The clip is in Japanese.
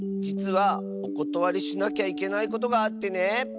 じつはおことわりしなきゃいけないことがあってね。